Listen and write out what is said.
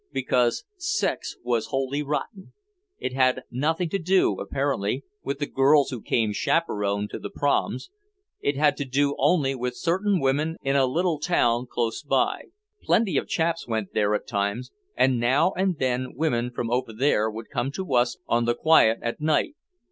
Because "sex" was wholly rotten. It had nothing to do, apparently, with the girls who came chaperoned to the "proms," it had to do only with certain women in a little town close by. Plenty of chaps went there at times, and now and then women from over there would come to us on the quiet at night.